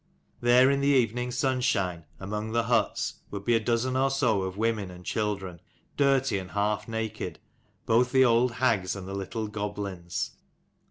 There in the evening sunshine, among the huts, would be a dozen or so of women and children, dirty and half naked, both the old hags and the little goblins.